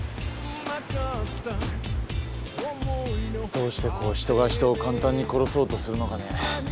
どうしてこう人が人を簡単に殺そうとするのかね。